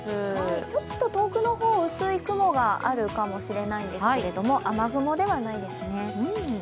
ちょっと遠くの方、薄い雲があるかもしれないんですけれども、雨雲ではないですね。